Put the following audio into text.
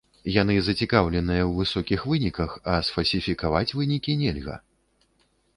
Яны зацікаўленыя ў высокіх выніках, а сфальсіфікаваць вынікі нельга.